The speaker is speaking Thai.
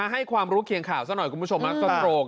ให้ความรู้เขียงข่าวสักหน่อยสนโรค